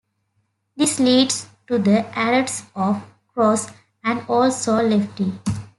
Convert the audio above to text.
This leads to the arrest of Cross, and also Lefty.